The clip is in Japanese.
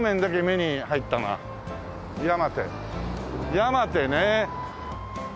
山手ねえ。